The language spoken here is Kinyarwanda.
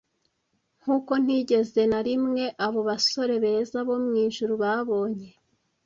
Nkuko ntigeze na rimwe abo basore beza bo mwijuru babonye,